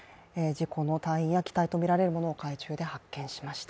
隊員や機体とみられるものを海中で発見しました。